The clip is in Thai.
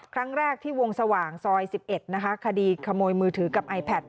ครั้งแรกที่วงสว่างซอย๑๑นะคะคดีขโมยมือถือกับไอแพท